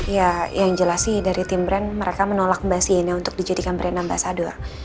ya yang jelas sih dari tim brand mereka menolak mbak siena untuk dijadikan brand ambasador